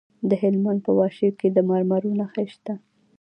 د هلمند په واشیر کې د مرمرو نښې شته.